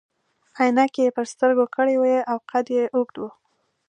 عینکې يې پر سترګو کړي وي او قد يې اوږد وو.